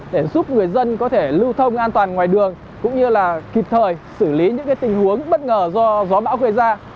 để giúp người dân có thể lưu thông an toàn ngoài đường cũng như là kịp thời xử lý những tình huống bất ngờ do gió bão gây ra